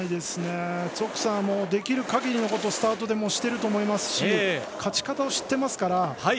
ツォックはできるかぎりのことスタートでしていると思いますし勝ち方を知っていますから。